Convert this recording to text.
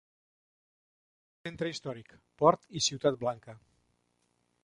Centre històric, Port i Ciutat Blanca.